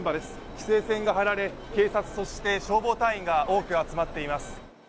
規制線が張られ、警察、そして消防隊員が多く集まっています。